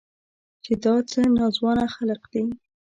چې دا څه ناځوانه خلق دي.